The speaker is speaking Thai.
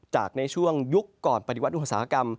ในช่วงยุคก่อนปฏิวัติอุตสาหกรรม